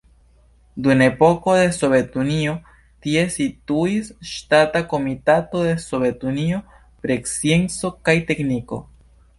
Dum epoko de Sovetunio tie situis Ŝtata komitato de Sovetunio pri scienco kaj tekniko.